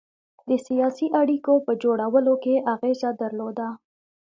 د سیاسي اړېکو په جوړولو کې اغېزه درلوده.